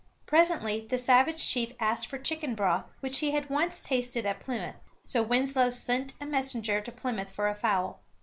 Presently the savage chief asked for chicken broth, which he had once tasted at Plymouth, so Winslow sent a messenger to Plymouth for a fowl.